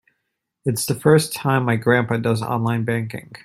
It's the first time my grandpa does online banking.